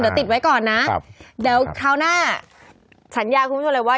เดี๋ยวติดไว้ก่อนนะครับเดี๋ยวคราวหน้าสัญญาคุณผู้ชมเลยว่า